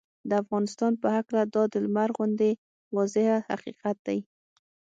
د افغانستان په هکله دا د لمر غوندې واضحه حقیقت دی